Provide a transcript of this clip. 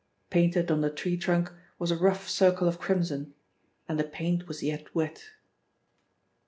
Painted on the tree trunk was a rough circle of crimson, and the paint was yet wet.